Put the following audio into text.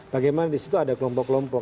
bagaimana disitu ada kelompok kelompok